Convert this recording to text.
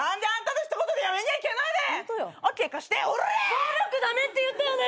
暴力駄目って言ったよね？